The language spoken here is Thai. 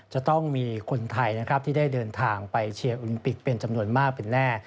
จะต้องมีคนไทยนะครับที่ได้เดินทางไปเชียร์โอลิมปิกเป็นจำนวนมากเป็นแน่